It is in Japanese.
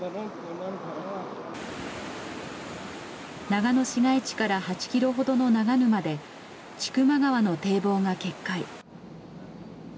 長野市街地から８キロほどの長沼で千曲川の堤防が決壊。